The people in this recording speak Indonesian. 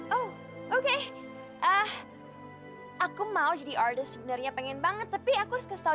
oh oke aku mau jadi order sebenarnya pengen banget tapi aku harus kasih tahu